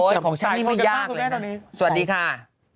โอ๊ยของฉันไม่ยากเลยนะสวัสดีค่ะ